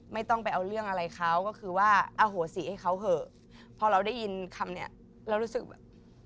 ไม่ต้องไปเอาเรื่องอะไรเขาก็คือว่าอโหสิให้เขาเถอะพอเราได้ยินคำเนี้ยเรารู้สึกแบบ